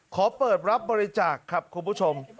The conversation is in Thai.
ขอเปิดรับบริจาคครับคุณผู้ชม